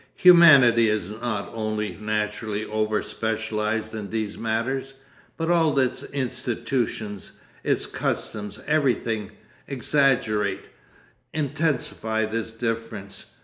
Humanity is not only naturally over specialised in these matters, but all its institutions, its customs, everything, exaggerate, intensify this difference.